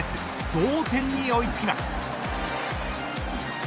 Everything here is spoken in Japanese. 同点に追いつきます。